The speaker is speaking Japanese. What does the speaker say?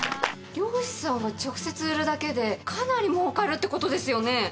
・漁師さんが直接売るだけでかなり儲かるってことですよね！